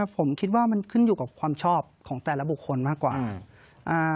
ผมคิดว่ามันขึ้นอยู่กับความชอบของแต่ละบุคคลมากกว่า